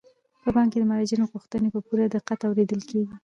په بانک کې د مراجعینو غوښتنې په پوره دقت اوریدل کیږي.